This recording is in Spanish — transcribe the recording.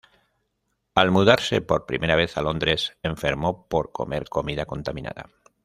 Al mudarse por primera vez a Londres enfermó por comer comida contaminada.